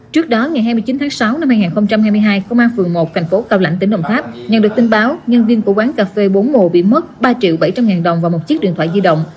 trước đó ngày hai mươi chín tháng sáu năm hai nghìn hai mươi hai công an phường một thành phố cao lãnh tỉnh đồng tháp nhận được tin báo nhân viên của quán cà phê bốn mùa bị mất ba triệu bảy trăm linh ngàn đồng và một chiếc điện thoại di động